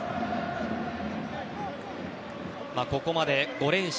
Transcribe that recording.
ここまで５連勝。